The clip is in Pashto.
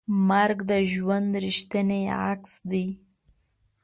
مرګ د ژوند ریښتینی عکس دی.